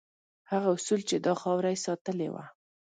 هغه اصول چې دا خاوره یې ساتلې وه.